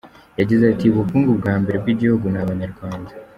Yagize ati"Ubukungu bwa mbere bw’igihugu ni Abanyarwanda.